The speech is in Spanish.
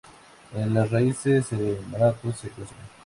En las raíces, el malato se consume.